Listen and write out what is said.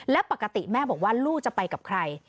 และปกติแม่บอกว่าลูกจะไปกับใคร